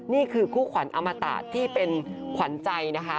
นี่คือคู่ขวัญอมตะที่เป็นขวัญใจนะคะ